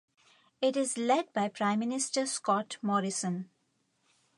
It is led by Prime Minister Scott Morrison.